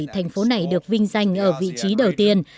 thành phố này được vinh danh ở vị trí đầu tiên